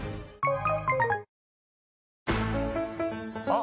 あ！